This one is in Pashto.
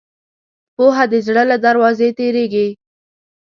پوهه د زړه له دروازې تېرېږي.